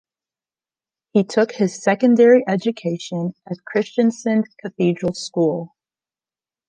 He took his secondary education at Kristiansand Cathedral School.